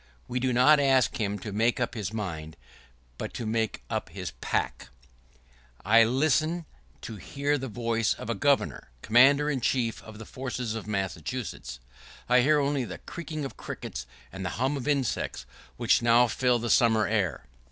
We do not ask him to make up his mind, but to make up his pack. [¶4] I listen to hear the voice of a Governor, Commander in Chief of the forces of Massachusetts. I hear only the creaking of crickets and the hum of insects which now fill the summer air.